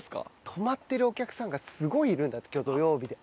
泊まってるお客さんがすごいいるんだって今日土曜日で。